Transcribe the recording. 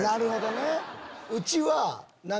うちは。